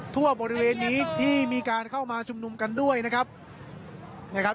ทั่วบริเวณนี้ที่มีการเข้ามาชุมนุมกันด้วยนะครับนะครับ